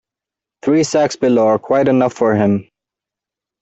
Three sacks below are quite enough for him.